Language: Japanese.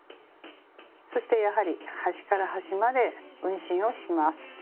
そしてやはり端から端まで運針をします。